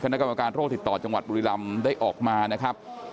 คณะกรรมการโรคติดต่อจังหวัดบุรีรำได้ออกมานะครับ